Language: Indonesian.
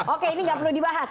oke ini nggak perlu dibahas